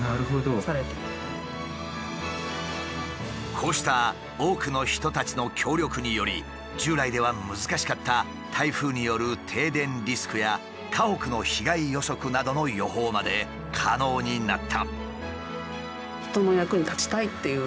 こうした多くの人たちの協力により従来では難しかった台風による停電リスクや家屋の被害予測などの予報まで可能になった。